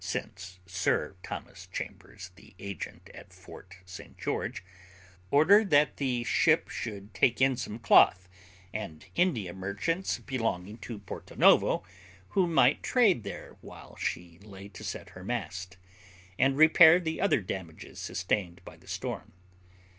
since Sir Thomas Chambers, the agent at Fort St George, ordered that the ship should take in some cloth and India merchants belonging to Porto Novo, who might trade there while she lay to set her mast, and repair the other damages sustained by the storm.